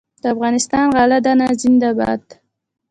د افغانستان غله دانه زنده باد.